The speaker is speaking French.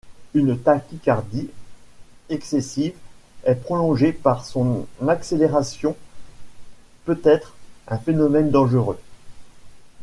Une tachycardie excessive et prolongée, par son accélération, peut être un phénomène dangereux.